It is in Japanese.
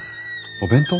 お弁当？